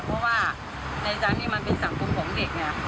เพราะว่าในจังห์นี้มันเป็นสังคมของเด็ก